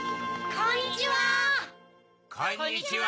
こんにちは。